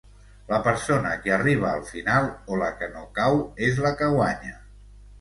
La persona que arriba al final, o la que no cau, és la que guanya.